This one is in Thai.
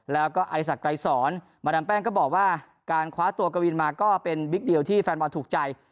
แล้วก็อริสักไกรสอนมาดามแป้งก็บอกว่าการคว้าตัวกวินมาก็เป็นบิ๊กเดียวที่แฟนบอลถูกใจ